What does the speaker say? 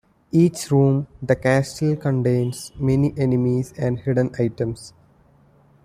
Each room the castle contains many enemies and hidden items.